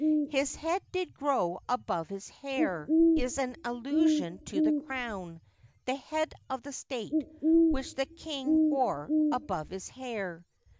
'His head did grow above his hair,' is an allusion to the crown, the head of the State, which the King wore 'above his hair.